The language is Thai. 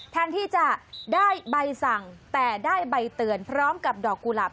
แทนที่จะได้ใบสั่งแต่ได้ใบเตือนพร้อมกับดอกกุหลาบ